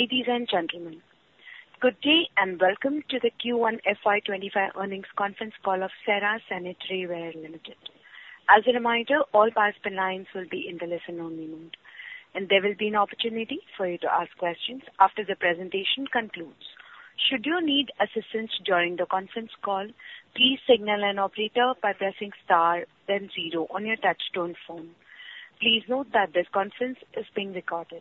Ladies and gentlemen, good day, and welcome to the Q1 FY 2025 Earnings Conference Call of CERA Sanitaryware Limited. As a reminder, all participant lines will be in the listen-only mode, and there will be an opportunity for you to ask questions after the presentation concludes. Should you need assistance during the conference call, please signal an operator by pressing star, then zero on your touchtone phone. Please note that this conference is being recorded.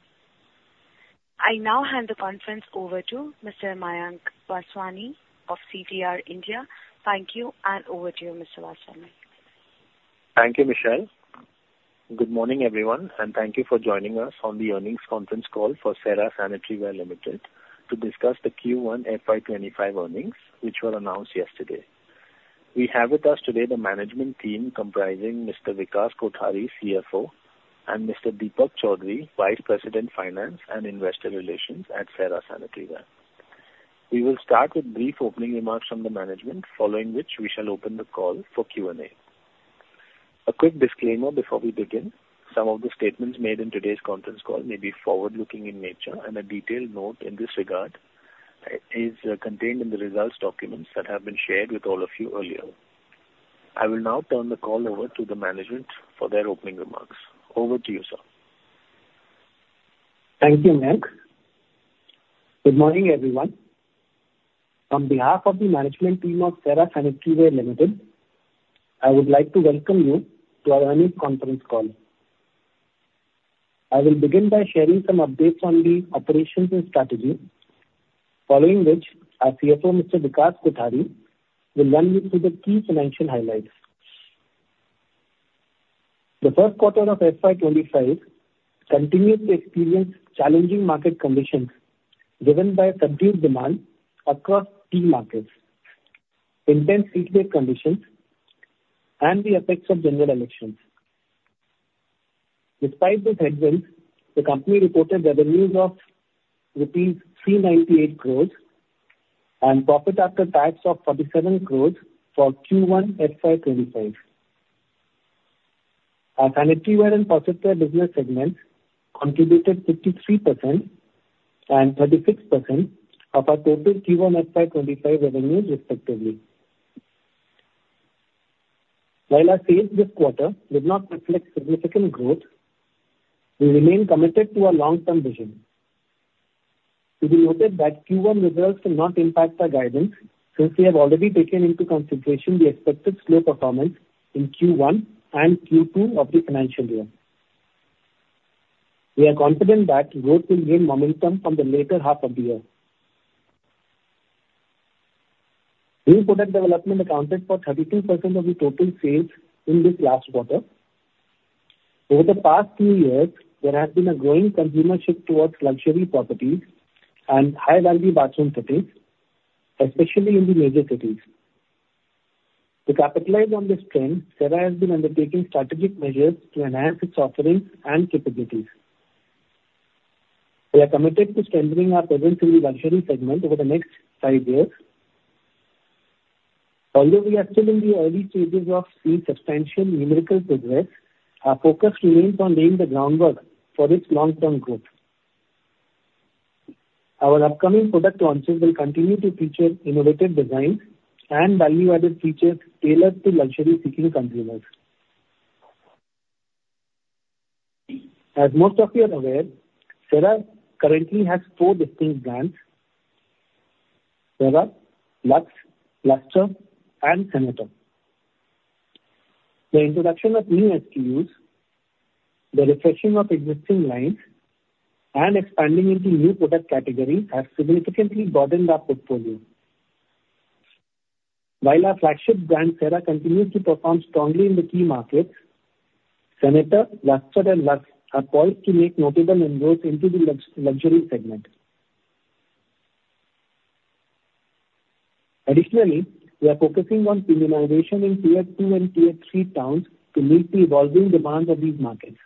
I now hand the conference over to Mr. Mayank Vaswani of CDR India. Thank you, and over to you, Mr. Vaswani. Thank you, Michelle. Good morning, everyone, and thank you for joining us on the earnings conference call for CERA Sanitaryware Limited to discuss the Q1 FY 2025 earnings, which were announced yesterday. We have with us today the management team, comprising Mr. Vikas Kothari, CFO, and Mr. Deepak Chaudhary, Vice President, Finance and Investor Relations at CERA Sanitaryware. We will start with brief opening remarks from the Management, following which we shall open the call for Q&A. A quick disclaimer before we begin. Some of the statements made in today's conference call may be forward-looking in nature, and a detailed note in this regard is contained in the results documents that have been shared with all of you earlier. I will now turn the call over to the Management for their opening remarks. Over to you, sir. Thank you, Mayank. Good morning, everyone. On behalf of the Management team of CERA Sanitaryware Limited, I would like to welcome you to our earnings conference call. I will begin by sharing some updates on the operations and strategy, following which our CFO, Mr. Vikas Kothari, will run you through the key financial highlights. The first quarter of FY 2025 continued to experience challenging market conditions, driven by subdued demand across key markets, intense heatwave conditions, and the effects of general elections. Despite this headwind, the company reported revenues of rupees 398 crore and profit after tax of 37 crore for Q1 FY 2025. Our Sanitaryware and Porcelain business segments contributed 53% and 36% of our total Q1 FY 2025 revenues, respectively. While our sales this quarter did not reflect significant growth, we remain committed to our long-term vision. To be noted that Q1 results will not impact our guidance since we have already taken into consideration the expected slow performance in Q1 and Q2 of the financial year. We are confident that growth will gain momentum from the later half of the year. New product development accounted for 32% of the total sales in this last quarter. Over the past two years, there has been a growing consumer shift towards luxury properties and high-value bathroom fittings, especially in the major cities. To capitalize on this trend, CERA has been undertaking strategic measures to enhance its offerings and capabilities. We are committed to strengthening our presence in the Luxury segment over the next five years. Although we are still in the early stages of seeing substantial numerical progress, our focus remains on laying the groundwork for this long-term growth. Our upcoming product launches will continue to feature innovative designs and value-added features tailored to luxury-seeking consumers. As most of you are aware, CERA currently has four distinct brands: CERA, Luxe, Polipluz, and SENATOR. The introduction of new SKUs, the refreshing of existing lines, and expanding into new product categories have significantly broadened our portfolio. While our flagship brand, CERA, continues to perform strongly in the key markets, Senator, Polipluz, and Lux are poised to make notable inroads into the luxury segment. Additionally, we are focusing on penetration in Tier-2 and Tier-3 towns to meet the evolving demands of these markets.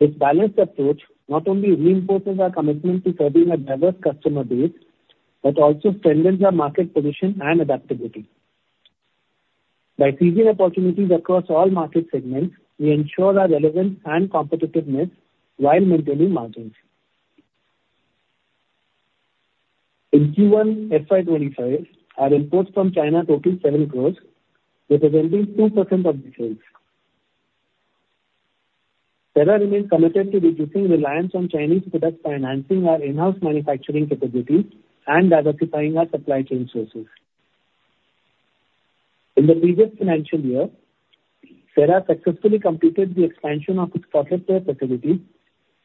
This balanced approach not only reinforces our commitment to serving a diverse customer base, but also strengthens our market position and adaptability. By seizing opportunities across all market segments, we ensure our relevance and competitiveness while maintaining margins. In Q1 FY 2025, our imports from China totaled 7 crore, representing 2% of the sales. CERA remains committed to reducing reliance on Chinese products by enhancing our in-house manufacturing capabilities and diversifying our supply chain sources. In the previous financial year, CERA successfully completed the expansion of its porcelain facility,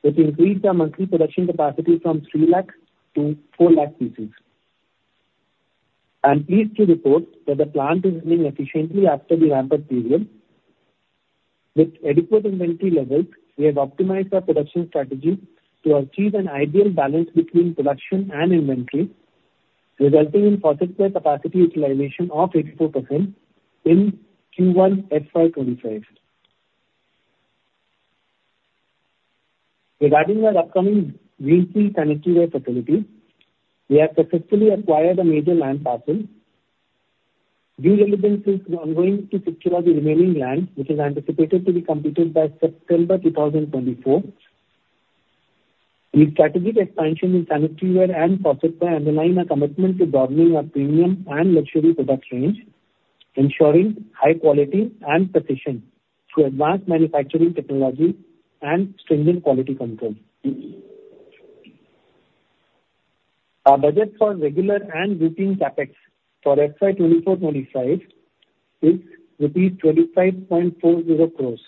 which increased our monthly production capacity from 300,000 to 400,000 pieces. I'm pleased to report that the plant is running efficiently after the ramp-up period. With adequate inventory levels, we have optimized our production strategy to achieve an ideal balance between production and inventory, resulting in porcelain capacity utilization of 84% in Q1 FY 2025. Regarding our upcoming greenfield sanitaryware facility, we have successfully acquired a major land parcel. These developments is ongoing to secure the remaining land, which is anticipated to be completed by September 2024. The strategic expansion in sanitaryware and faucetware underline our commitment to broadening our premium and luxury product range, ensuring high quality and precision through advanced manufacturing technology and stringent quality control. Our budget for regular and routine CapEx for FY 2024/2025 is rupees 25.40 crores,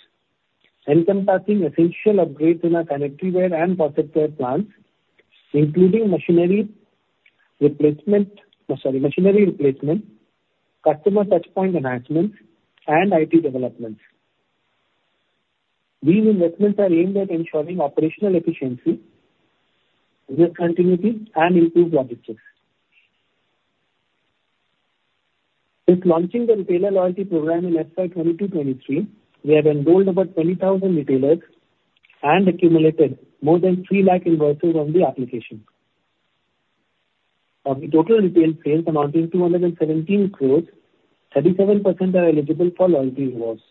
encompassing essential upgrades in our sanitaryware and faucetware plants, including machinery replacement, customer touchpoint enhancements, and IT developments. These investments are aimed at ensuring operational efficiency, risk continuity, and improved objectives. Since launching the retailer loyalty program in FY 2022/2023, we have enrolled about 20,000 retailers and accumulated more than 300,000 invoices on the application. Of the total retail sales amounting to 217 crores, 37% are eligible for loyalty rewards.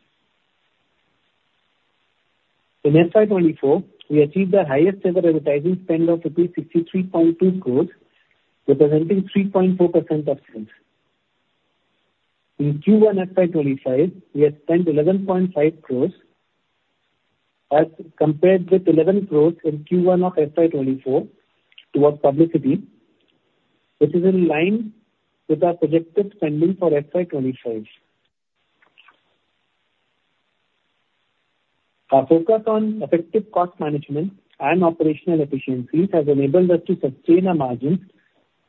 In FY 2024, we achieved our highest ever advertising spend of 63.2 crores, representing 3.4% of sales. In Q1 FY 2025, we had spent 11.5 crores as compared with 11 crores in Q1 of FY 2024 towards publicity, which is in line with our projected spending for FY 2025. Our focus on effective cost management and operational efficiencies has enabled us to sustain our margins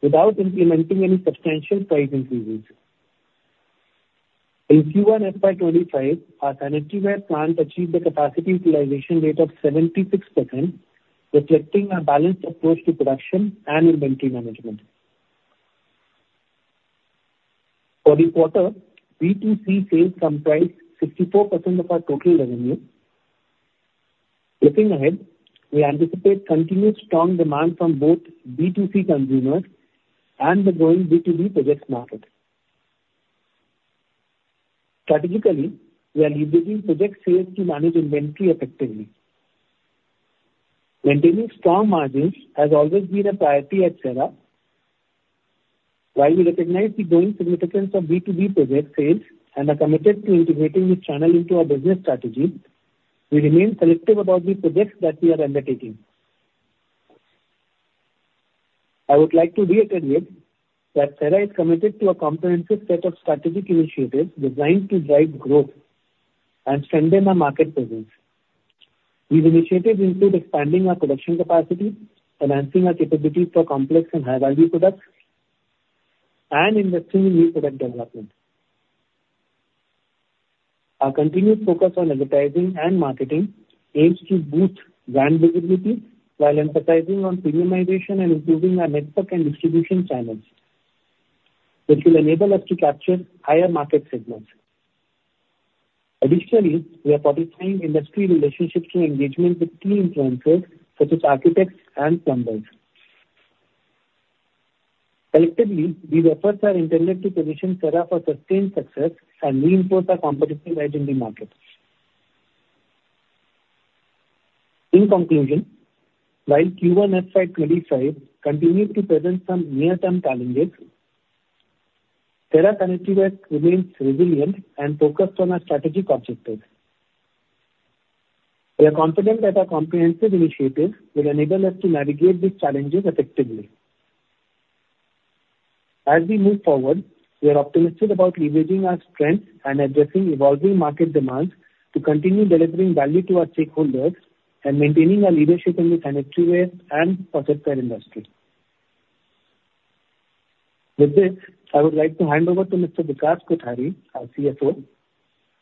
without implementing any substantial price increases. In Q1 FY 2025, our sanitaryware plant achieved a capacity utilization rate of 76%, reflecting our balanced approach to production and inventory management. For the quarter, B2C sales comprised 64% of our total revenue. Looking ahead, we anticipate continued strong demand from both B2C consumers and the growing B2B projects market. Strategically, we are leveraging project sales to manage inventory effectively. Maintaining strong margins has always been a priority at CERA. While we recognize the growing significance of B2B project sales and are committed to integrating this channel into our business strategy, we remain selective about the projects that we are undertaking. I would like to reiterate that CERA is committed to a comprehensive set of strategic initiatives designed to drive growth and strengthen our market presence. These initiatives include expanding our production capacity, enhancing our capabilities for complex and high-value products, and investing in new product development. Our continued focus on advertising and marketing aims to boost brand visibility while emphasizing on premiumization and improving our network and distribution channels, which will enable us to capture higher market segments. Additionally, we are prioritizing industry relationships through engagement with key influencers, such as architects and plumbers. Collectively, these efforts are intended to position CERA for sustained success and reinforce our competitive edge in the market. In conclusion, while Q1 FY 2025 continues to present some near-term challenges, CERA Sanitaryware remains resilient and focused on our strategic objectives. We are confident that our comprehensive initiatives will enable us to navigate these challenges effectively. As we move forward, we are optimistic about leveraging our strengths and addressing evolving market demands to continue delivering value to our stakeholders and maintaining our leadership in the sanitaryware and faucetware industry. With this, I would like to hand over to Mr. Vikas Kothari, our CFO,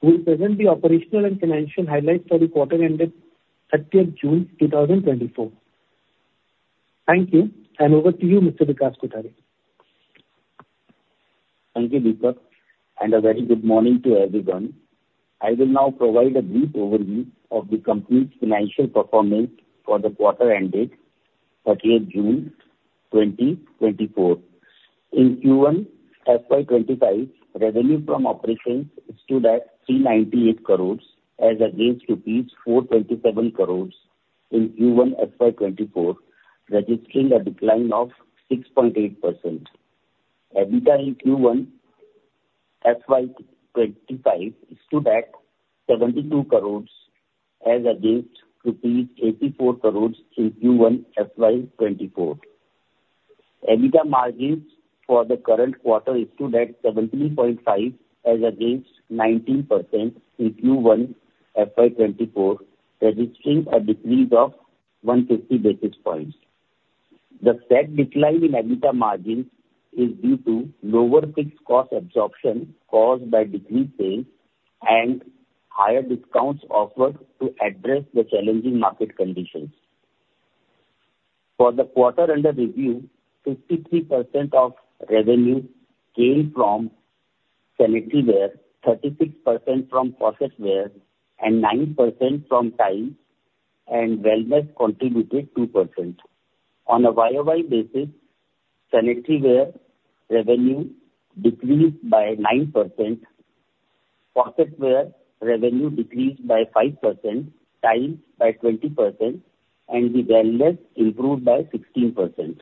who will present the operational and financial highlights for the quarter ended 30th June 2024. Thank you, and over to you, Mr. Vikas Kothari. Thank you, Deepak, and a very good morning to everyone. I will now provide a brief overview of the company's financial performance for the quarter ended 30th June 2024. In Q1 FY 2025, revenue from operations stood at 398 crores, as against rupees 427 crores in Q1 FY 2024, registering a decline of 6.8%. EBITDA in Q1 FY 2025 stood at 72 crores, as against rupees 84 crores in Q1 FY 2024. EBITDA margins for the current quarter stood at 17.5%, as against 19% in Q1 FY 2024, registering a decrease of 150 basis points. The said decline in EBITDA margins is due to lower fixed cost absorption caused by decreased sales and higher discounts offered to address the challenging market conditions. For the quarter under review, 53% of revenue came from sanitaryware, 36% from faucetware, and 9% from tiles, and wellness contributed 2%. On a YOY basis, sanitaryware revenue decreased by 9%, porcelain ware revenue decreased by 5%, tiles by 20%, and the wellness improved by 16%.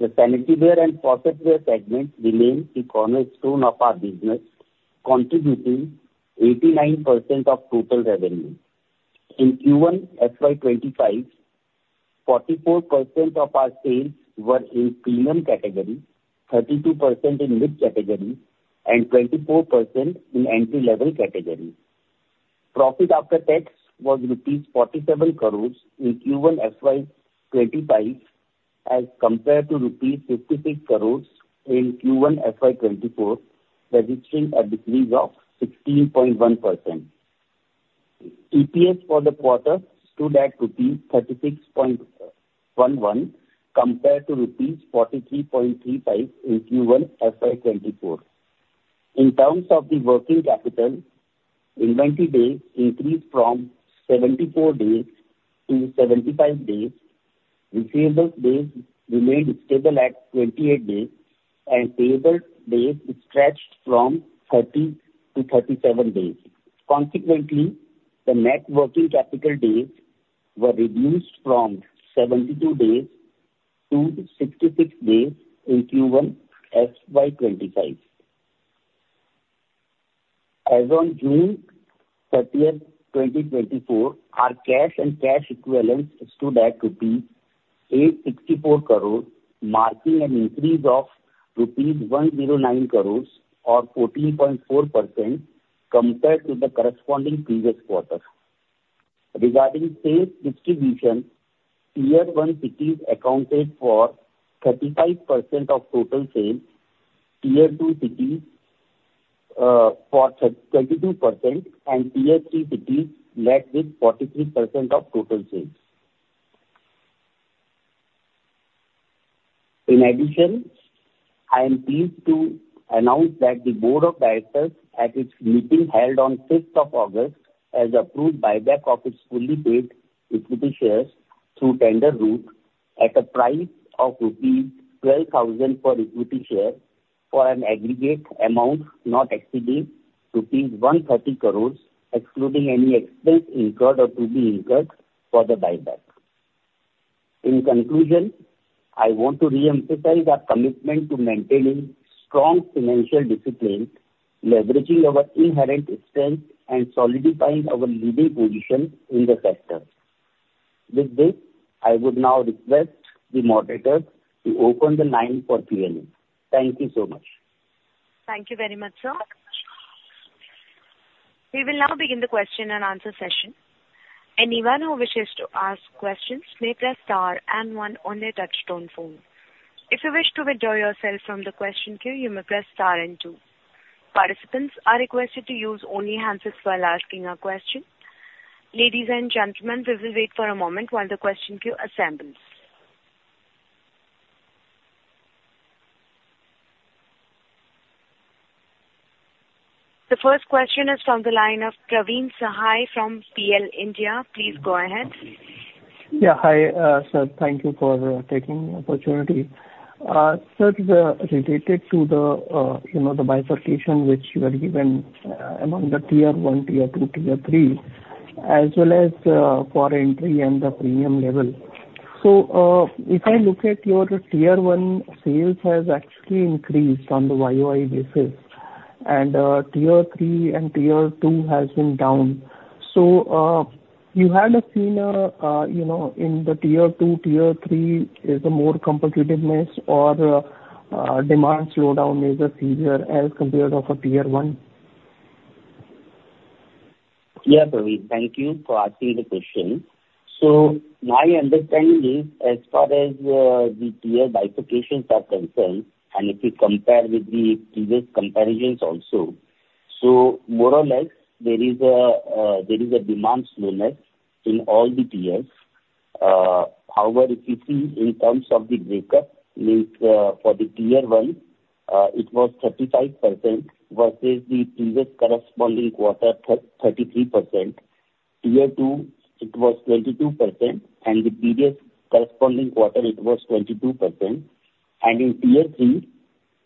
The sanitaryware and porcelain ware segment remains the cornerstone of our business, contributing 89% of total revenue. In Q1 FY 2025, 44% of our sales were in premium category, 32% in mid category, and 24% in entry level category. Profit after tax was rupees 47 crore in Q1 FY 2025, as compared to rupees 56 crore in Q1 FY 2024, registering a decrease of 16.1%. EPS for the quarter stood at rupees 36.11, compared to rupees 43.35 in Q1 FY 2024. In terms of the working capital, inventory days increased from 74 days to 75 days. Receivable days remained stable at 28 days, and payable days stretched from 30-37 days. Consequently, the net working capital days were reduced from 72 days to 66 days in Q1 FY 2025. As on June 30, 2024, our cash and cash equivalents stood at INR 864 crore, marking an increase of INR 109 crore or 14.4% compared to the corresponding previous quarter. Regarding sales distribution, Tier-1 cities accounted for 35% of total sales, Tier-2 cities for 22%, and Tier-3 cities led with 43% of total sales. In addition, I am pleased to announce that the Board of Directors, at its meeting held on 5th of August, has approved buyback of its fully paid equity shares through tender route at a price of rupees 12,000 per equity share for an aggregate amount not exceeding rupees 130 crores, excluding any expense incurred or to be incurred for the buyback. In conclusion, I want to reemphasize our commitment to maintaining strong financial discipline, leveraging our inherent strength, and solidifying our leading position in the sector. With this, I would now request the moderator to open the line for Q&A. Thank you so much. Thank you very much, sir. We will now begin the question and answer session. Anyone who wishes to ask questions may press star and one on their touch-tone phone. If you wish to withdraw yourself from the question queue, you may press star and two. Participants are requested to use only hands-free while asking a question. Ladies and gentlemen, we will wait for a moment while the question queue assembles. The first question is from the line of Praveen Sahay from PL India. Please go ahead. Yeah. Hi, sir. Thank you for taking the opportunity. Sir, related to the, you know, the bifurcation which you had given, among the Tier-1, Tier-2, Tier-3, as well as, for entry and the premium level. So, if I look at your Tier-1, sales has actually increased on the YOY basis, and, Tier-3 and Tier-2 has been down. So, you had a seen a, you know, in the Tier-2, Tier-3, is a more competitiveness or, a demand slowdown is a severe as compared of a Tier-1? Yeah, Praveen, thank you for asking the question. So my understanding is, as far as the tier bifurcations are concerned, and if you compare with the previous comparisons also, so more or less, there is a demand slowness in all the tiers. However, if you see in terms of the breakup, means, for the Tier-1, it was 35% versus the previous corresponding quarter, 33%. Tier-2, it was 22%, and the previous corresponding quarter, it was 22%. And in Tier-3,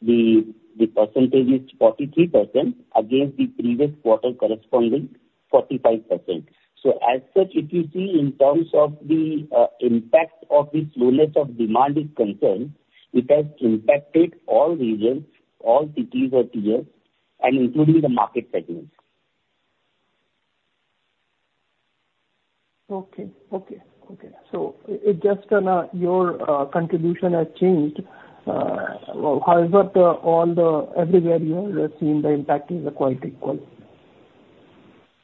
the percentage is 43% against the previous quarter corresponding 45%. So as such, if you see in terms of the impact of the slowness of demand is concerned, it has impacted all regions, all cities or tiers, and including the market segments. Okay. Okay, okay. So it just, your contribution has changed, however, on the everywhere you have seen the impact is quite equal.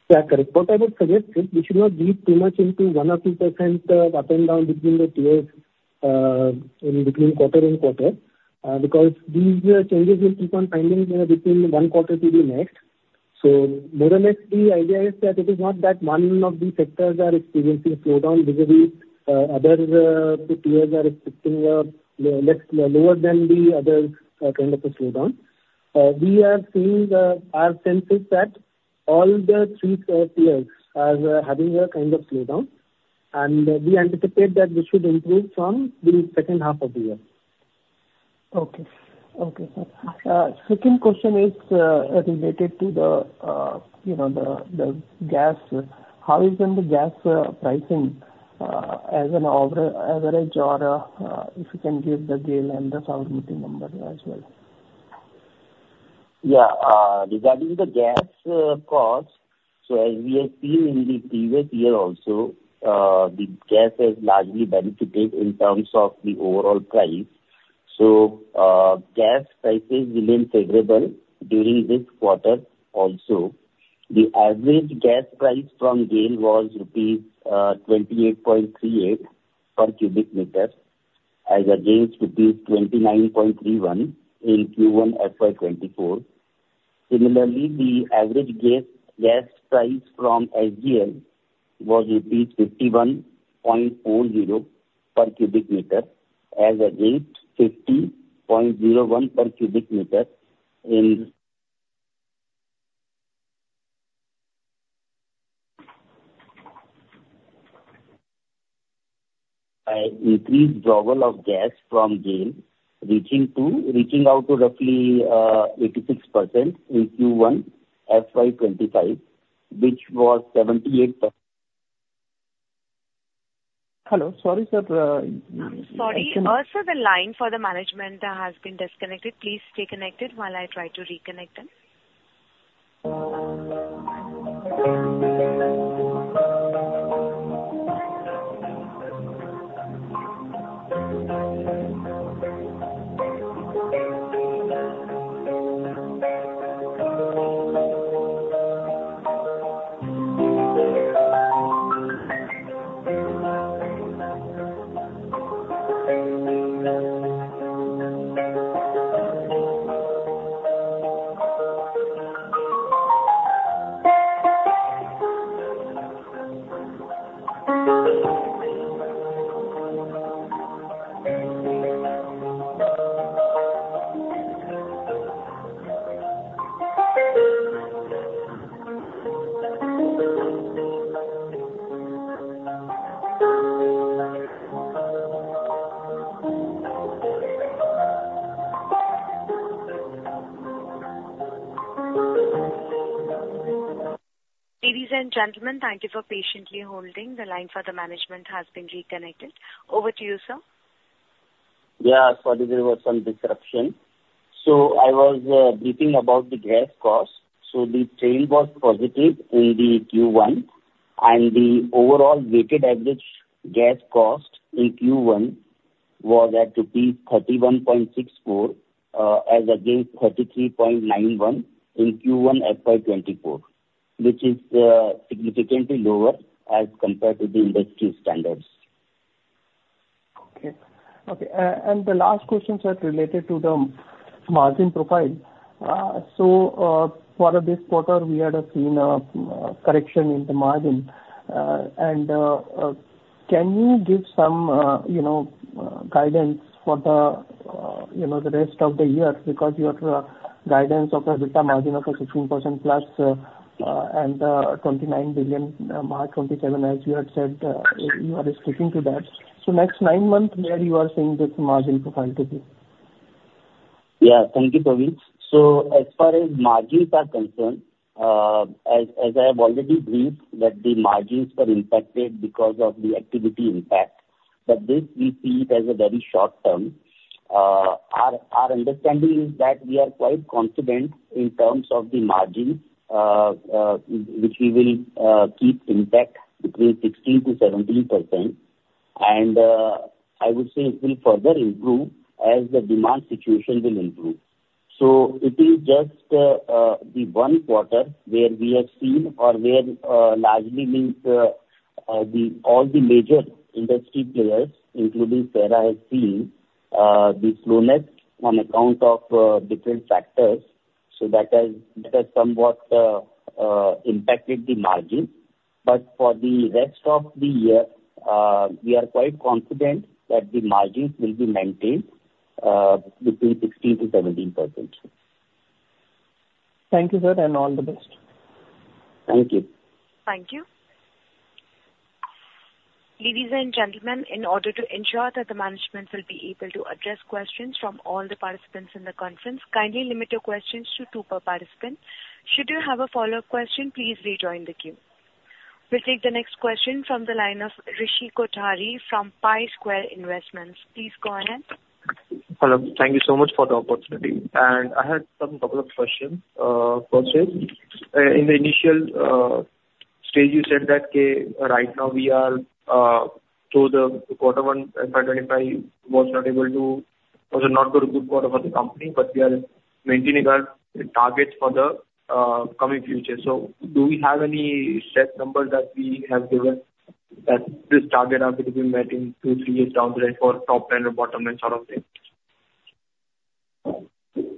Yeah, correct. What I would suggest is we should not read too much into 1% or 2%, up and down between the tiers, in between quarter and quarter, because these changes will keep on finding, between one quarter to the next. So more or less, the idea is that it is not that one of the sectors are experiencing slowdown because the other tiers are expecting less, lower than the other, kind of a slowdown. We are seeing the our senses that all the three players are having a kind of slowdown, and we anticipate that this should improve from the second half of the year. Okay. Okay, sir. Second question is related to the, you know, the gas. How has been the gas pricing as an average, or if you can give the GAIL and the Sabarmati number as well? Yeah, regarding the gas cost, so as we have seen in the previous year also, the gas has largely benefited in terms of the overall price. So, gas prices remain favorable during this quarter also. The average gas price from GAIL was rupees 28.38 per cubic meter, as against rupees 29.31 in Q1 FY 2024. Similarly, the average gas price from SGL was rupees 51.40 per cubic meter, as against 50.01 per cubic meter in... I increased drawal of gas from GAIL, reaching roughly 86% in Q1 FY 2025, which was 78%. Hello, sorry, sir. Sorry, sir, the line for the management has been disconnected. Please stay connected while I try to reconnect them. Ladies and gentlemen, thank you for patiently holding. The line for the management has been reconnected. Over to you, sir. Yeah, sorry, there was some disruption. So I was briefing about the gas cost. So the trend was positive in Q1, and the overall weighted average gas cost in Q1 was at rupees 31.64, as against 33.91 in Q1 FY 2024, which is significantly lower as compared to the industry standards. Okay. Okay, and the last question, sir, is related to the margin profile. So, for this quarter, we had seen a correction in the margin. And, can you give some, you know, the rest of the year? Because your guidance of the EBITDA margin of a 16% plus, and 29 billion, March 2027, as you had said, you are sticking to that. So next nine months, where you are seeing this margin profile to be? Yeah, thank you, Praveen. So, as far as margins are concerned, as I have already briefed, that the margins were impacted because of the activity impact, but this we see it as a very short term. Our understanding is that we are quite confident in terms of the margin, which we will keep intact between 16%-17%, and I would say it will further improve as the demand situation will improve. So it is just the one quarter where we have seen or where largely means the all the major industry players, including CERA, have seen the slowness on account of different factors. So that has that has somewhat impacted the margin. For the rest of the year, we are quite confident that the margins will be maintained between 16%-17%. Thank you, sir, and all the best. Thank you. Thank you. Ladies and gentlemen, in order to ensure that the management will be able to address questions from all the participants in the conference, kindly limit your questions to two per participant. Should you have a follow-up question, please rejoin the queue. We'll take the next question from the line of Rishi Kothari from Pi Square Investments. Please go ahead. Hello. Thank you so much for the opportunity. And I had some couple of questions for stages. In the initial stage, you said that, okay, right now we are to quarter one FY 2025, was not a good quarter for the company, but we are maintaining our targets for the coming future. So do we have any set numbers that we have given that this target are going to be met in two, three years down the line for top end or bottom end sort of thing?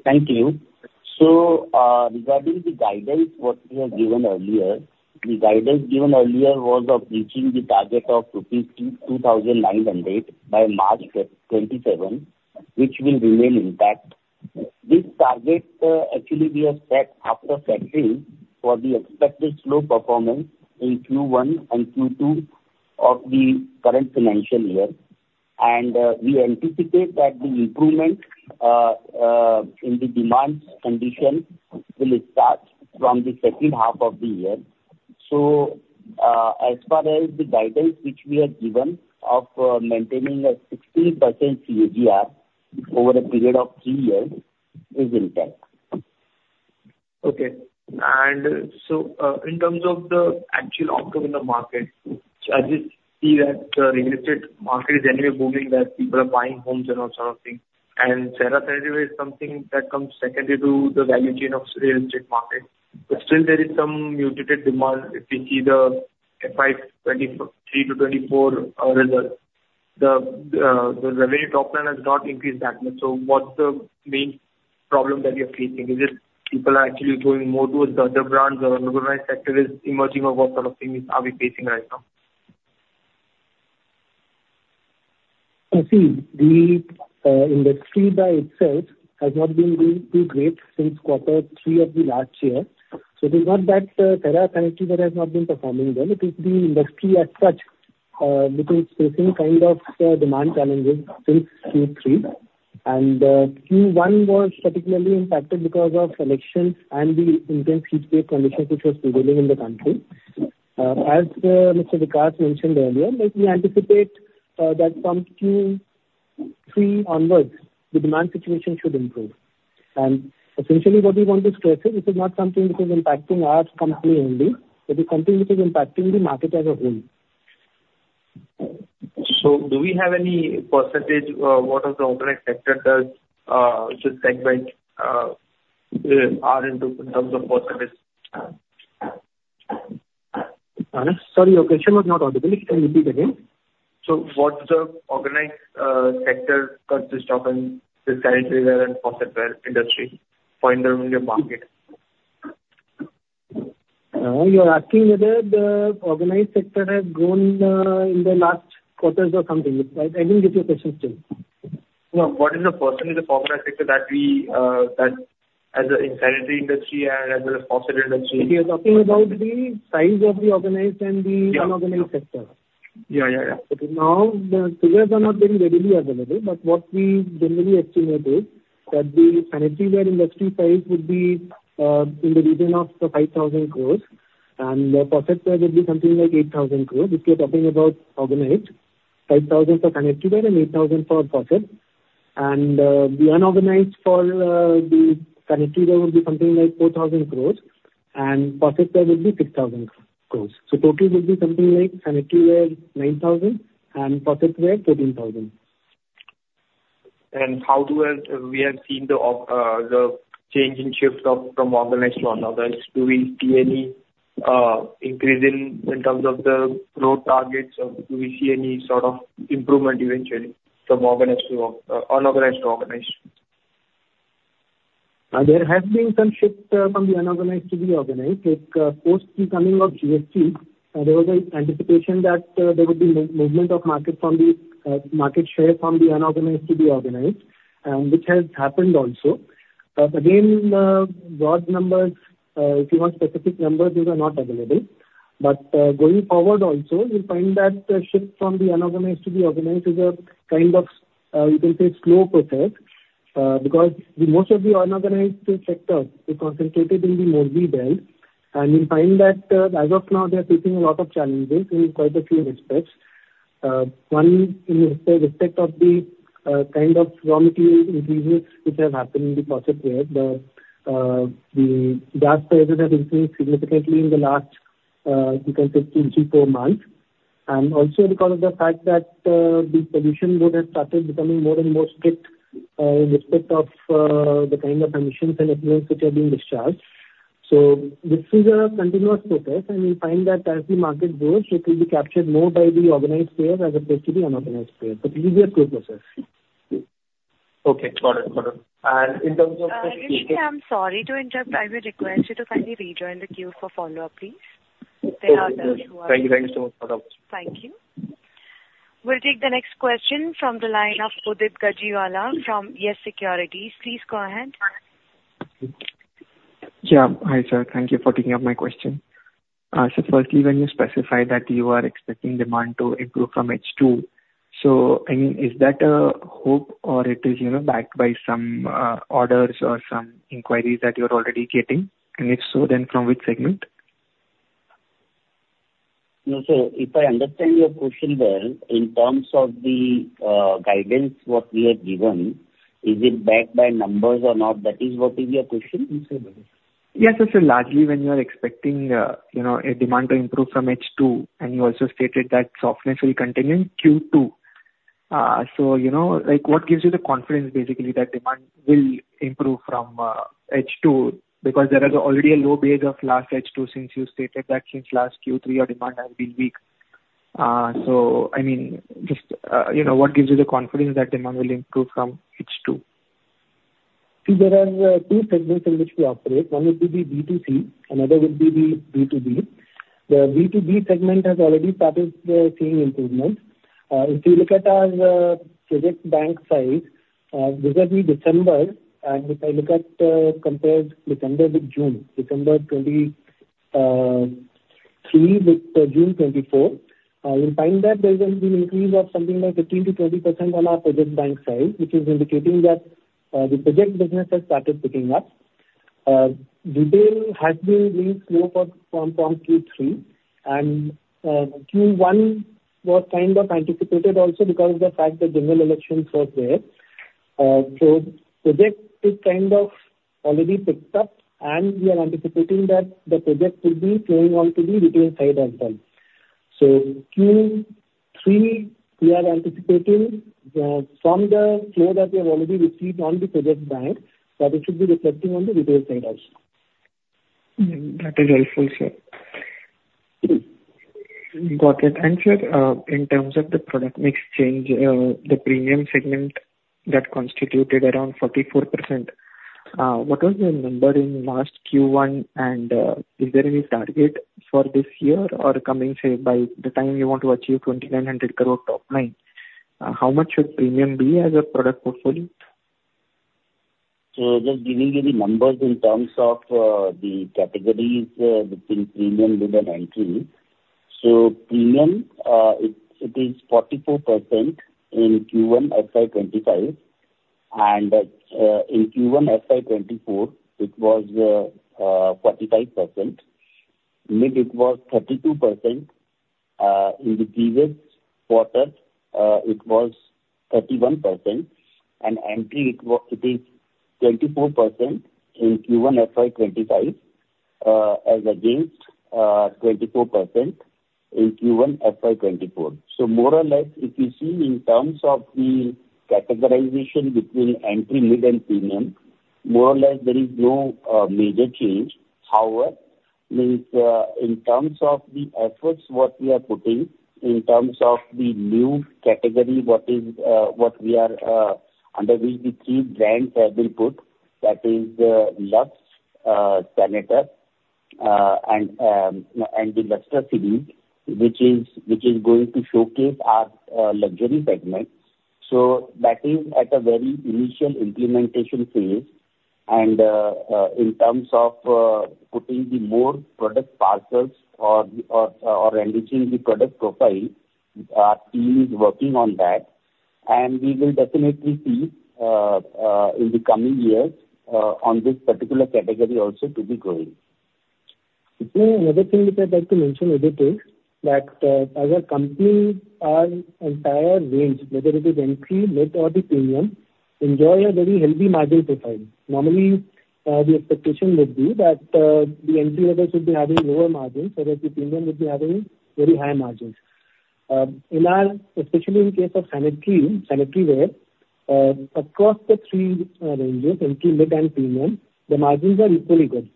Thank you. So, regarding the guidance, what we have given earlier, the guidance given earlier was of reaching the target of rupees 2,900 by March 2027, which will remain intact. This target, actually we have set after factoring for the expected slow performance in Q1 and Q2 of the current financial year. We anticipate that the improvement in the demand condition will start from the second half of the year. As far as the guidance which we have given of maintaining a 16% CAGR over a period of three years is intact. Okay. And so, in terms of the actual offer in the market, I just see that the real estate market is anyway booming, that people are buying homes and all sort of things, and CERA is something that comes secondly to the value chain of real estate market. But still there is some muted demand. If we see the FY 2023-2024 result, the revenue top line has not increased that much. So what's the main problem that you're facing? Is it people are actually going more towards the other brands, or organized sector is emerging, or what sort of things are we facing right now? I think the industry by itself has not been doing too great since quarter three of the last year. So it is not that CERA Sanitaryware that has not been performing well, it is the industry as such which is facing kind of demand challenges since Q3. And Q1 was particularly impacted because of elections and the intense heatwave conditions which was prevailing in the country. As Mr. Vikas mentioned earlier, like, we anticipate that from Q3 onwards, the demand situation should improve. And essentially what we want to stress is, this is not something which is impacting our company only, it is something which is impacting the market as a whole. So do we have any percentage of what the organized sector does, which segment are into in terms of percentage? Sorry, your question was not audible. Can you repeat again? What's the organized sector cut this top and this current calendar year for the industry for in the market? You are asking whether the organized sector has grown, in the last quarters or something, right? I didn't get your question clearly. No. What is the percentage of organized sector that we, that as a sanitary industry and as a faucet industry? You're talking about the size of the organized and the- Yeah. -unorganized sector? Yeah, yeah, yeah. Okay. Now, the figures are not being readily available, but what we generally estimate is that the sanitaryware industry size would be in the region of 5,000 crores, and the faucetware would be something like 8,000 crores. If we are talking about organized, 5,000 for sanitaryware and 8,000 for faucetware. The unorganized for the sanitaryware, there would be something like 4,000 crores, and faucetware would be 6,000 crores. Total would be something like sanitaryware, 9,000 crores, and faucetware, 14,000 crores. How do we have, we have seen the change in shift from organized to unorganized. Do we see any increase in terms of the growth targets, or do we see any sort of improvement eventually, from organized to or unorganized to organized? There has been some shift from the unorganized to the organized. Like, post the coming of GST, there was an anticipation that there would be movement of market share from the unorganized to the organized, which has happened also. But again, broad numbers, if you want specific numbers, those are not available. But, going forward also, you'll find that the shift from the unorganized to the organized is a kind of, you can say, slow process, because most of the unorganized sector is concentrated in the north belt. And you'll find that, as of now, they are facing a lot of challenges in quite a few respects. One in respect of the, kind of raw material increases which has happened in the context where the, the gas prices have increased significantly in the last, you can say three to four months. And also because of the fact that, the pollution would have started becoming more and more strict, in respect of, the kind of emissions and effluent which are being discharged. So this is a continuous process, and we find that as the market grows, it will be captured more by the organized player as opposed to the unorganized player, but it is a slow process. Okay. Got it, got it. And in terms of- I'm sorry to interrupt. I would request you to kindly rejoin the queue for follow-up, please. Thank you. Thank you so much. Thank you. We'll take the next question from the line of Udit Gajiwala from YES SECURITIES. Please go ahead. Yeah. Hi, sir, thank you for taking up my question. So firstly, when you specify that you are expecting demand to improve from H2, so, I mean, is that a hope or it is, you know, backed by some orders or some inquiries that you're already getting? And if so, then from which segment? No, sir, if I understand your question well, in terms of the guidance what we have given, is it backed by numbers or not? That is what is your question? Yes, sir. Largely when you are expecting, you know, a demand to improve from H2, and you also stated that softness will continue in Q2. So, you know, like, what gives you the confidence basically that demand will improve from H2? Because there is already a low base of last H2, since you stated that since last Q3, your demand has been weak. So I mean, just, you know, what gives you the confidence that demand will improve from H2? See, there are two segments in which we operate: one would be the B2C, another would be the B2B. The B2B segment has already started seeing improvement. If you look at our project bank size, this will be December, and if I look at compared December with June, December 2023 with June 2024, you'll find that there has been an increase of something like 15%-20% on our project bank size, which is indicating that the project business has started picking up. Retail has been really slow from Q3, and Q1 was kind of anticipated also because of the fact the general elections were there. So project is kind of already picked up, and we are anticipating that the project will be flowing on to the retail side as well. Q3, we are anticipating from the flow that we have already received on the project bank, that it should be reflecting on the retail side also. That is helpful, sir. Got it. And, sir, in terms of the product mix change, the premium segment that constituted around 44%, what was the number in last Q1? And, is there any target for this year or coming, say, by the time you want to achieve 2,900 crore top line, how much should premium be as a product portfolio? So just giving you the numbers in terms of the categories between premium, mid, and entry. So premium, it is 44% in Q1 FY 2025, and in Q1 FY 2024, it was 45%. Mid, it was 32%. In the previous quarter, it was 31%. And entry, it is 24% in Q1 FY 2025, as against 24% in Q1 FY 2024. So more or less, if you see in terms of the categorization between entry, mid, and premium, more or less, there is no major change. However, within terms of the efforts, what we are putting in terms of the new category, what we are under the three brands, we put, that is, Luxe, SENATOR, and the Luxury series, which is going to showcase our luxury segment. So that is at a very initial implementation phase. And in terms of putting the more product parcels or enriching the product profile, our team is working on that, and we will definitely see in the coming years on this particular category also to be growing. Another thing which I'd like to mention is that, as a company, our entire range, whether it is entry, mid, or the premium, enjoy a very healthy margin profile. Normally, the expectation would be that, the entry level should be having lower margins, so that the premium would be having very high margins. In our, especially in case of sanitaryware, across the three ranges, entry, mid, and premium, the margins are equally good.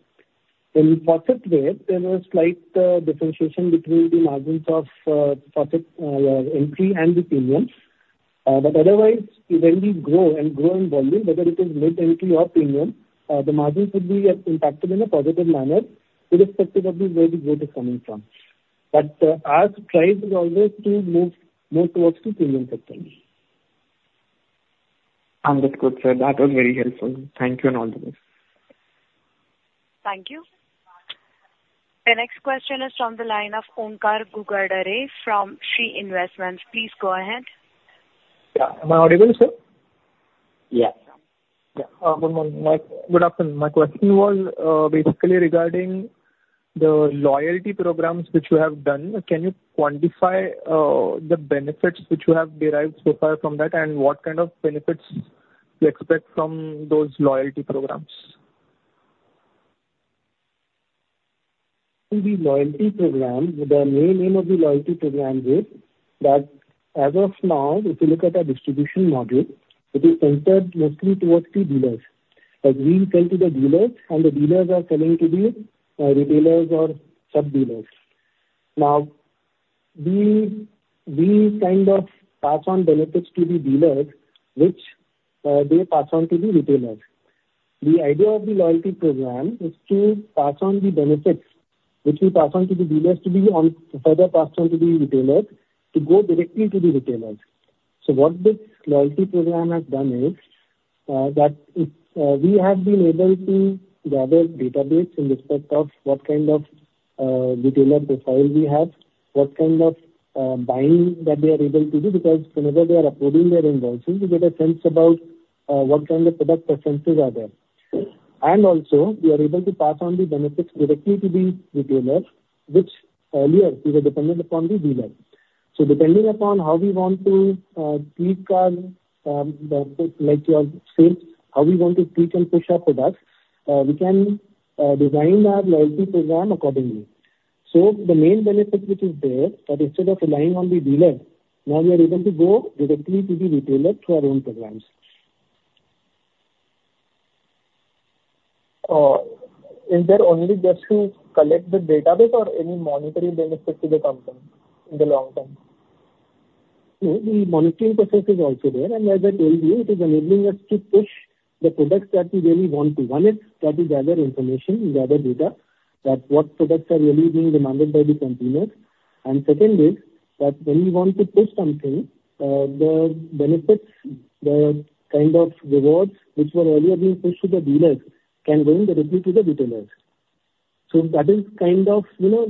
In faucetware, there was slight differentiation between the margins of faucet entry and the premiums. But otherwise, when we grow and grow in volume, whether it is mid, entry, or premium, the margins would be impacted in a positive manner, irrespective of the where the growth is coming from. But, our drive is always to move more towards to premium segment. That's good, sir. That was very helpful. Thank you, and all the best. Thank you. The next question is from the line of Onkar Ghugardare from Shree Investments. Please go ahead. Yeah. Am I audible, sir? Yeah. Yeah. Good morning. Good afternoon. My question was, basically, regarding the loyalty programs which you have done. Can you quantify the benefits which you have derived so far from that, and what kind of benefits you expect from those loyalty programs? The loyalty program, the main aim of the loyalty program is that, as of now, if you look at our distribution model, it is centered mostly towards the dealers. Like, we sell to the dealers, and the dealers are selling to the retailers or sub-dealers. Now, we kind of pass on benefits to the dealers, which they pass on to the retailers. The idea of the loyalty program is to pass on the benefits, which we pass on to the dealers, to be on... further pass on to the retailers, to go directly to the retailers. So what this loyalty program has done is we have been able to gather database in respect of what kind of retailer profile we have, what kind of buying that they are able to do, because whenever they are uploading their invoices, we get a sense about what kind of product preferences are there. And also, we are able to pass on the benefits directly to the retailer, which earlier we were dependent upon the dealer. So depending upon how we want to treat our like your sales, how we want to treat and push our products, we can design our loyalty program accordingly. So the main benefit which is there, that instead of relying on the dealer, now we are able to go directly to the retailer through our own programs. Is that only just to collect the database or any monetary benefit to the company in the long term? The monetary benefit is also there, and as I told you, it is enabling us to push the products that we really want to. One is that we gather information, we gather data, that what products are really being demanded by the consumers. And second is that when we want to push something, the benefits, the kind of rewards which were earlier being pushed to the dealers can go directly to the retailers. So that is kind of, you know,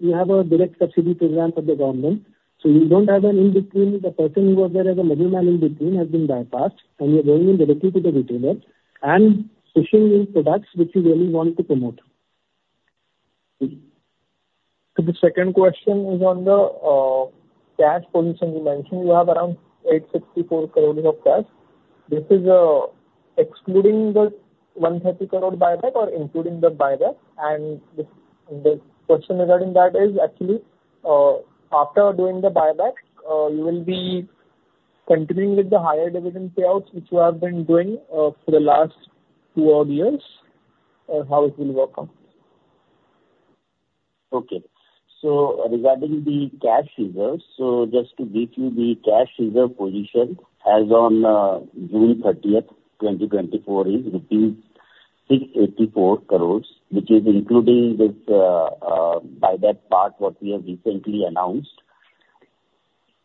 we have a direct subsidy program for the government, so we don't have an in-between. The person who was there as a middleman in between has been bypassed, and we are going in directly to the retailer and pushing these products which we really want to promote. The second question is on the cash position you mentioned. You have around 864 crore of cash. This is excluding the 130 crore buyback or including the buyback? And the question regarding that is actually, after doing the buyback, you will be continuing with the higher dividend payouts, which you have been doing, for the last two odd years, or how it will work out? Okay. So regarding the cash reserves, so just to brief you, the cash reserve position as on June 30, 2024, is rupees 684 crores, which is including this buyback part, what we have recently announced.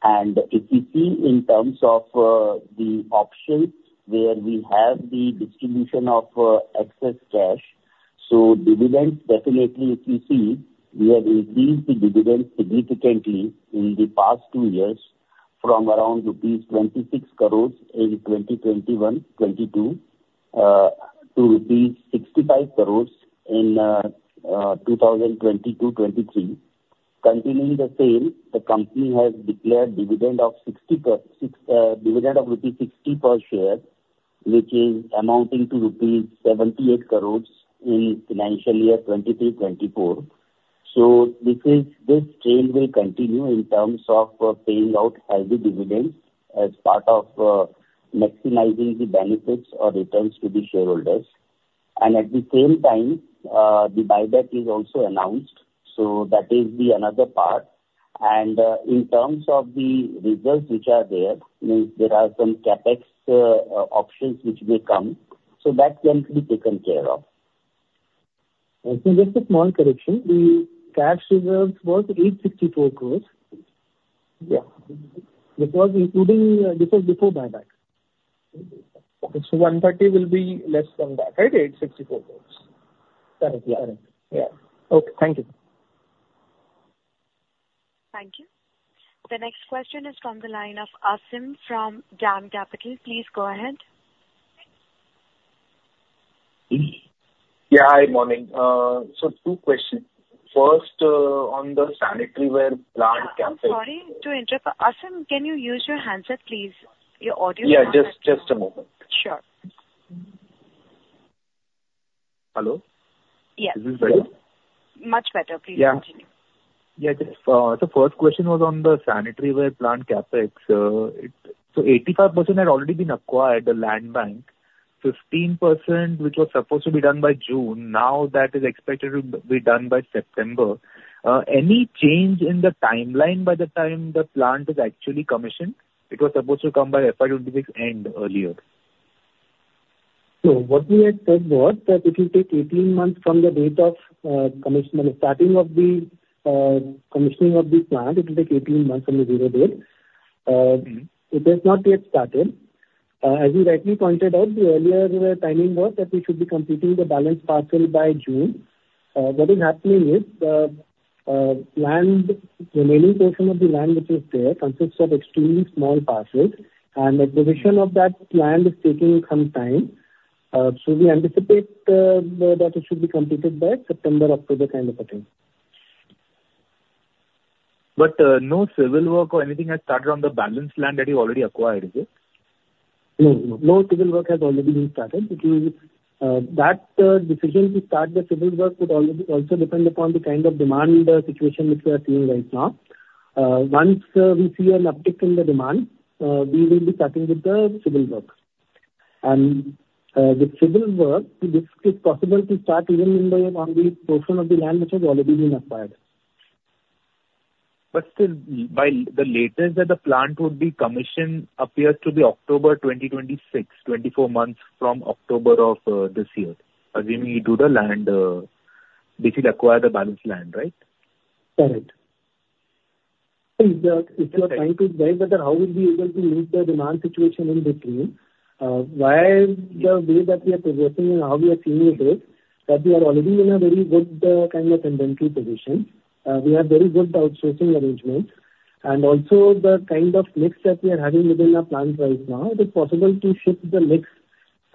And if you see in terms of the options where we have the distribution of excess cash, so dividends, definitely if you see, we have increased the dividend significantly in the past two years from around rupees 26 crores in 2021-2022 to rupees 65 crores in 2020-2023. Continuing the same, the company has declared dividend of rupees sixty per share, which is amounting to rupees 78 crores in financial year 2023-2024. So this is, this trend will continue in terms of, paying out healthy dividends as part of, maximizing the benefits or returns to the shareholders. And at the same time, the buyback is also announced, so that is the another part. And, in terms of the results which are there, means there are some CapEx, options which may come, so that can be taken care of. Just a small correction. The cash reserves was 864 crore. Yeah. It was including, this was before buyback. Okay. One party will be less than that, right? 864 crore. Correct. Yeah. Yeah. Okay. Thank you. Thank you. The next question is from the line of Aasim from DAM Capital. Please go ahead. Yeah, hi, morning. Two questions. First, on the sanitaryware plant CapEx- I'm sorry to interrupt, but Aasim, can you use your handset, please? Your audio- Yeah, just, just a moment. Sure. Hello? Yeah. Is this better? Much better. Please continue. Yeah. Just, so first question was on the sanitaryware plant CapEx. So 85% had already been acquired, the land bank. 15%, which was supposed to be done by June, now that is expected to be done by September. Any change in the timeline by the time the plant is actually commissioned? It was supposed to come by FY 2026 end earlier. So what we had said was that it will take 18 months from the date of commission, starting of the commissioning of the plant. It will take 18 months from the zero date. It has not yet started. As you rightly pointed out, the earlier timing was that we should be completing the balance parcel by June. What is happening is the land, the remaining portion of the land which is there consists of extremely small parcels, and acquisition of that land is taking some time. So we anticipate that it should be completed by September, October kind of a time. But, no civil work or anything has started on the balance land that you already acquired, is it? No, no. No civil work has already been started. That decision to start the civil work would also depend upon the kind of demand situation which we are seeing right now. Once we see an uptick in the demand, we will be starting with the civil work. The civil work, this is possible to start even on the portion of the land which has already been acquired. But still, by the latest that the plant would be commissioned appears to be October 2026, 24 months from October of this year. Assuming you do the land, this will acquire the balance land, right? Correct. If you are trying to gauge that, how we'll be able to meet the demand situation in between, why the way that we are progressing and how we are seeing it is, that we are already in a very good kind of inventory position. We have very good outsourcing arrangements, and also the kind of mix that we are having within our plants right now, it is possible to shift the mix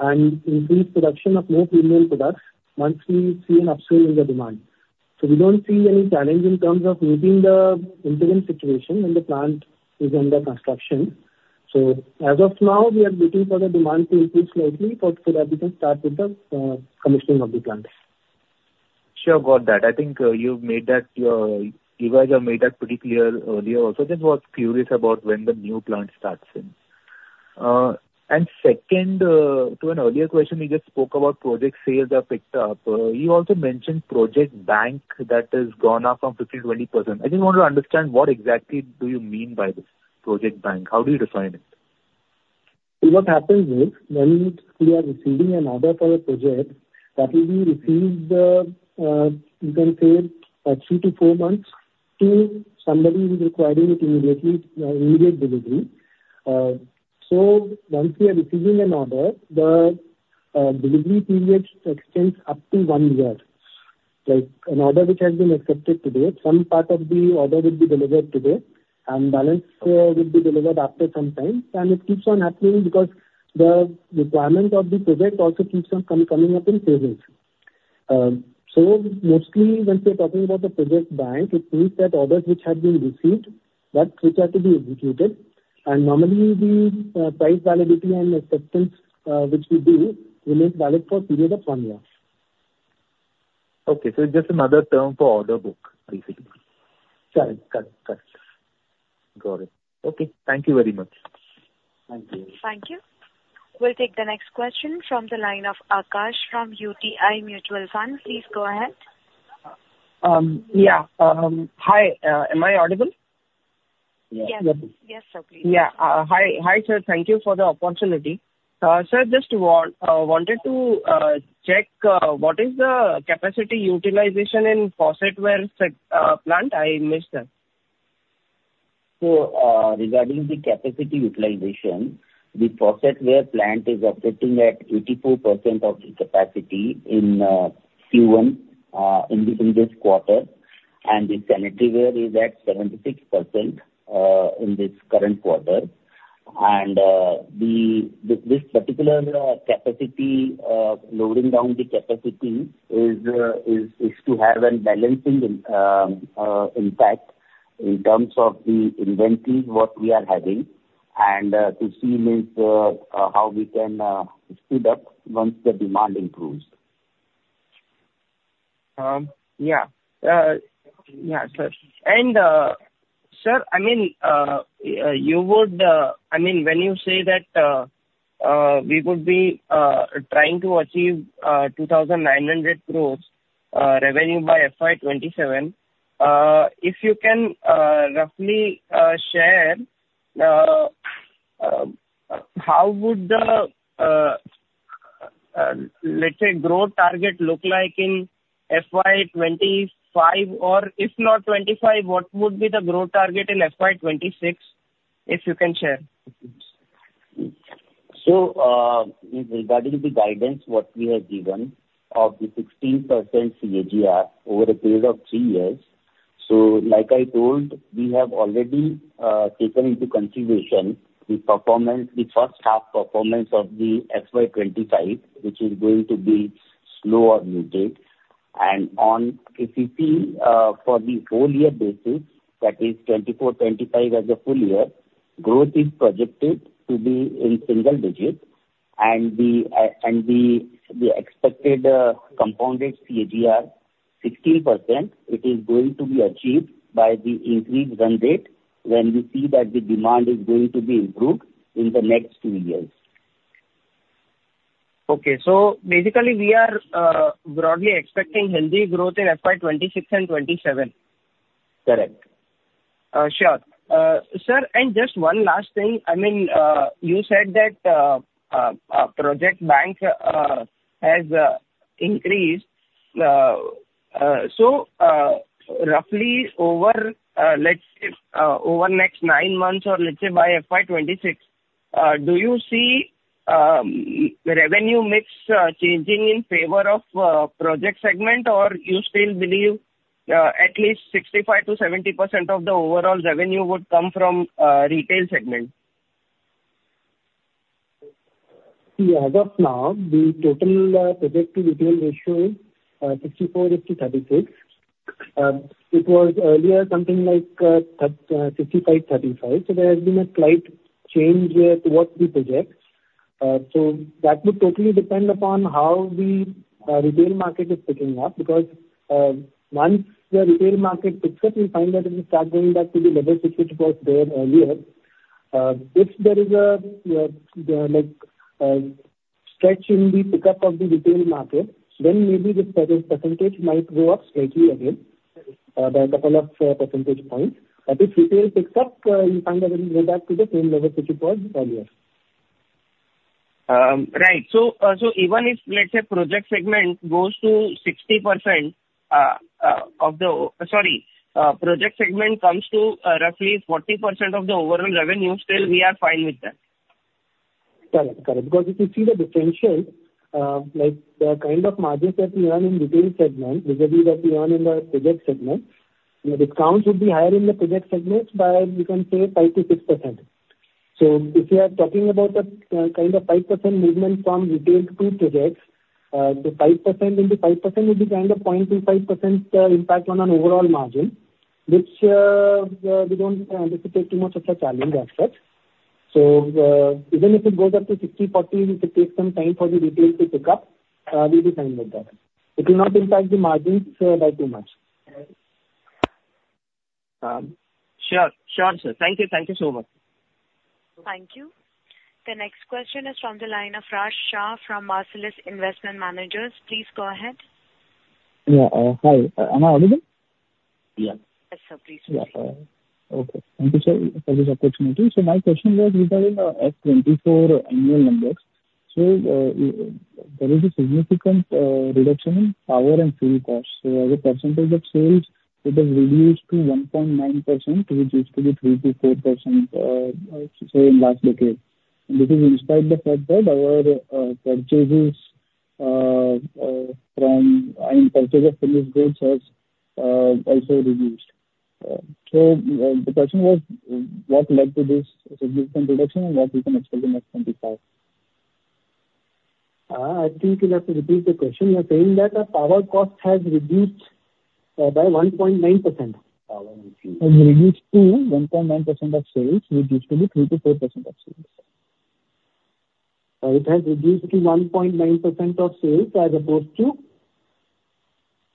and increase production of more female products once we see an upswing in the demand. So we don't see any challenge in terms of meeting the interim situation when the plant is under construction. So as of now, we are waiting for the demand to increase slightly so that we can start with the commissioning of the plant. Sure, got that. I think, you've made that your, you guys have made that pretty clear earlier also. Just was curious about when the new plant starts in. And second, to an earlier question, you just spoke about project sales are picked up. You also mentioned project bank that has gone up from 15%-20%. I just want to understand what exactly do you mean by this project bank? How do you define it? So what happens is, when we are receiving an order for a project, that will be received, you can say, three to four months till somebody is requiring it immediately, immediate delivery. So once we are receiving an order, the delivery period extends up to one year. Like an order which has been accepted today, some part of the order will be delivered today, and balance will be delivered after some time. And it keeps on happening because the requirement of the project also keeps on coming up in phases. So mostly when we are talking about the project bank, it means that orders which have been received, but which are to be executed, and normally the price validity and acceptance which we do remains valid for a period of one year. Okay, so it's just another term for order book, basically? Correct. Correct, correct. Got it. Okay, thank you very much. Thank you. Thank you. We'll take the next question from the line of Akash from UTI Mutual Fund. Please go ahead. Yeah. Hi, am I audible? Yes. Yes, sir. Please. Yeah. Hi. Hi, sir, thank you for the opportunity. Sir, just wanted to check what is the capacity utilization in faucetware segment plant? I missed that. So, regarding the capacity utilization, the faucetware plant is operating at 84% of the capacity in Q1, in this quarter, and the sanitaryware is at 76%, in this current quarter. And, this particular capacity loading down the capacity is to have a balancing impact in terms of the inventory what we are having, and to see with how we can speed up once the demand improves. Yeah. Yeah, sir. And, sir, I mean, you would... I mean, when you say that, we would be trying to achieve 2,900 crore revenue by FY 2027, if you can roughly share how would the, let's say, growth target look like in FY 2025? Or if not 2025, what would be the growth target in FY 2026, if you can share? So, with regarding the guidance, what we have given of the 16% CAGR over a period of three years. So like I told, we have already taken into consideration the performance, the first half performance of the FY 2025, which is going to be slow or muted. And on, if you see, for the whole year basis, that is 2024/2025 as a full year, growth is projected to be in single digits, and the, and the, the expected, compounded CAGR 16%, it is going to be achieved by the increased run rate when we see that the demand is going to be improved in the next two years. Okay. So basically, we are broadly expecting healthy growth in FY 2026 and 2027. Correct. Sure. Sir, and just one last thing. I mean, you said that project bank has increased. So, roughly over, let's say, over the next nine months or let's say by FY 2026, do you see revenue mix changing in favor of project segment? Or you still believe at least 65%-70% of the overall revenue would come from retail segment? Yeah, as of now, the total project to retail ratio is 64:36. It was earlier something like 65:35, so there has been a slight change towards the project. So that would totally depend upon how the retail market is picking up, because once the retail market picks up, you'll find that it'll start going back to the level which it was there earlier. If there is a like stretch in the pickup of the retail market, then maybe this percentage might go up slightly again by a couple of percentage points. But if retail picks up, you'll find that it'll go back to the same level which it was earlier. Right. So even if, let's say, project segment comes to roughly 40% of the overall revenue, still we are fine with that? Correct. Correct. Because if you see the differential, like, the kind of margins that we earn in retail segment versus what we earn in the project segment, the discounts would be higher in the project segment by, we can say, 5%-6%. So if you are talking about the, kind of 5% movement from retail to projects, the 5% into 5% would be kind of 0.25% impact on an overall margin, which, we don't anticipate too much of a challenge as such. So, even if it goes up to 60/40, if it takes some time for the retail to pick up, we'll be fine with that. It will not impact the margins, by too much. Sure. Sure, sir. Thank you. Thank you so much. Thank you. The next question is from the line of Raj Shah from Marcellus Investment Managers. Please go ahead. Yeah, hi, am I audible? Yeah. Yes, sir, please. Yeah, okay. Thank you, sir, for this opportunity. So my question was regarding FY 2024 annual numbers. So, there is a significant reduction in power and fuel costs. So as a percentage of sales, it has reduced to 1.9%, which used to be 3%-4%, say, in last decade. And this is despite the fact that our purchases from and purchase of finished goods has also reduced. So the question was, what led to this significant reduction, and what we can expect in next 2025? I think you'll have to repeat the question. You're saying that our power cost has reduced by 1.9%. Has reduced to 1.9% of sales, which used to be 3%-4% of sales. It has reduced to 1.9% of sales as opposed to.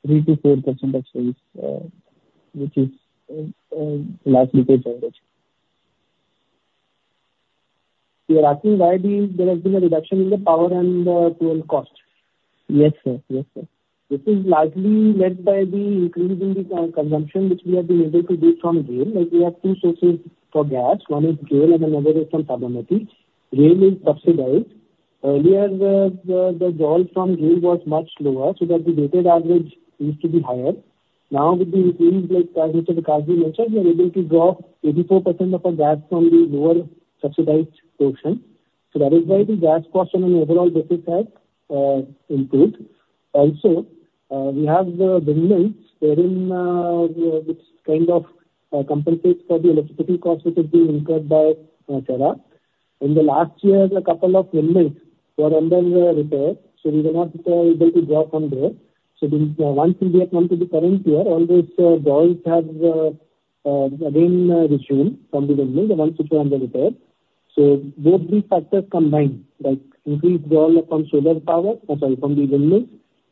3%-4% of sales, which is last decade's average. You are asking why there has been a reduction in the power and the fuel cost? Yes, sir. Yes, sir. This is largely led by the increase in the consumption, which we have been able to do from GAIL. Like, we have two sources for gas: one is GAIL and another is from Sabarmati. GAIL is subsidized. Earlier, the draw from GAIL was much lower, so that the weighted average used to be higher. Now with the increase, like, which Kajal mentioned, we are able to draw 84% of our gas from the lower subsidized portion. So that is why the gas cost and overall this has improved. Also, we have the windmills wherein we, which kind of, compensates for the electricity cost, which is being incurred by CERA. In the last year, there were a couple of windmills were under repair, so we were not able to draw from there. So once we have come to the current year, all those draws have again resumed from the windmill, the ones which were under repair. So both these factors combined, like increased draw from solar power, sorry, from the windmill,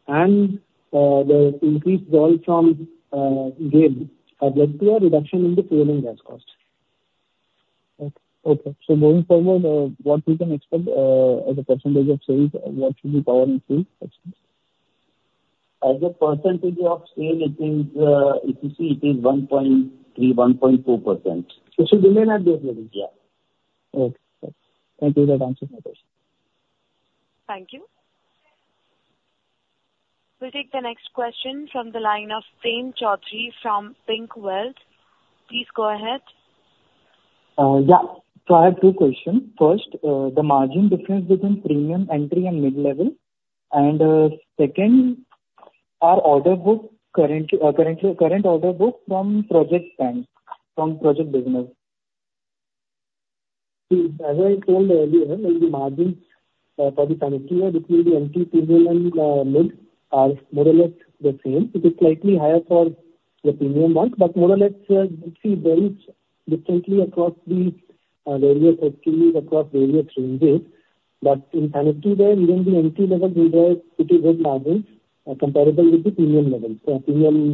and the increased draw from GAIL, have led to a reduction in the fuel and gas costs. Okay. So moving forward, what we can expect as a percentage of sales, what should be power and fuel? As a percentage of sale, it is, if you see, it is 1.3%-1.4%. It should remain at that level? Yeah. Okay. Thank you for that answer my question. Thank you. We'll take the next question from the line of Prince Choudhary from PINC Wealth. Please go ahead. Yeah. So I have two questions. First, the margin difference between premium, entry, and mid-level. And second, our current order book from project business. As I told earlier, the margins for the sanitaryware between the entry level and mid are more or less the same. It is slightly higher for the premium ones, but more or less, it varies differently across the various factories, across various ranges. But in sanitaryware, where even the entry level will have pretty good margins, comparable with the premium level, premium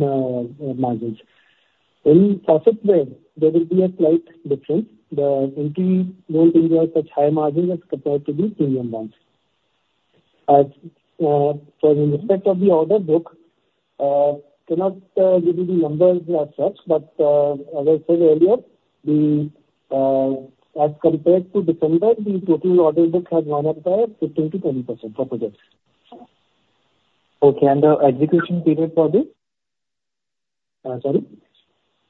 margins. In product range, there will be a slight difference. The entry won't enjoy such high margins as compared to the premium ones. For the respect of the order book, cannot give you the numbers as such, but, as I said earlier, the, as compared to December, the total order book has gone up by 15%-20% for projects. Okay, and the execution period for this? Uh, sorry?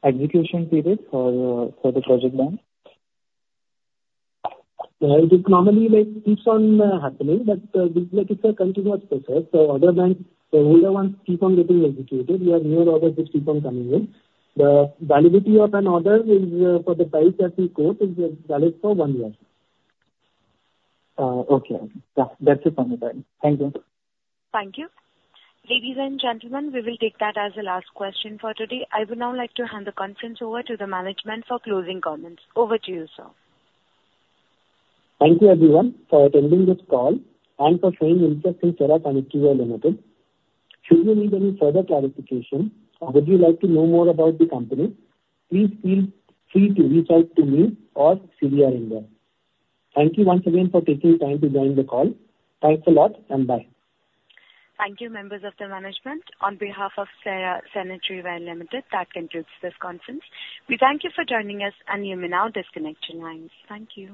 Execution period for the project bank. It normally like keeps on happening, but this like it's a continuous process, so order banks, the older ones keep on getting executed, we have newer orders which keep on coming in. The validity of an order is for the price that we quote, is valid for one year. Okay. Yeah, that's it on my side. Thank you. Thank you. Ladies and gentlemen, we will take that as the last question for today. I would now like to hand the conference over to the management for closing comments. Over to you, sir. Thank you everyone for attending this call and for showing interest in CERA Sanitaryware Limited. Should you need any further clarification, or would you like to know more about the company, please feel free to reach out to me or CDR India. Thank you once again for taking the time to join the call. Thanks a lot, and bye. Thank you, members of the management. On behalf of CERA Sanitaryware Limited, that concludes this conference. We thank you for joining us, and you may now disconnect your lines. Thank you.